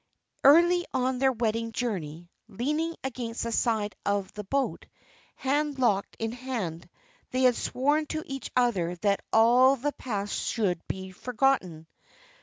Early on their wedding journey, leaning against the side of the boat, hand locked in hand, they had sworn to each other that all the past should be forgotten.